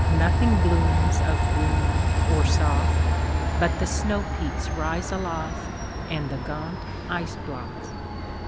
Nothing blooms of green or soft, But the snowpeaks rise aloftAnd the gaunt ice blocks.